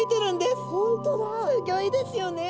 すギョいですよね。